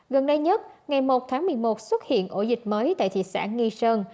gần đây nhất ngày một tháng một mươi một xuất hiện ổ dịch mới tại thị xã nghi sơn